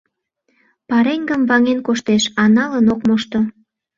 Пареҥгым ваҥен коштеш, а налын ок мошто.